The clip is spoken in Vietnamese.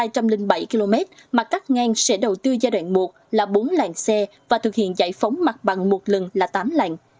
hai trăm linh bảy km mặt cách ngang sẽ đầu tư giai đoạn một là bốn làng xe và thực hiện giải phóng mặt bằng một lần là tám làng